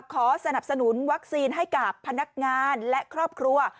ขอสนับสนุนวัคซีนให้กับพนักงานและครอบครัว